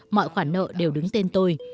mọi khoản nợ đều đứng tên tôi